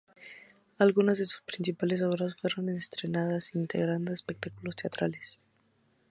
Algunas de sus principales obras fueron estrenadas integrando espectáculos teatrales.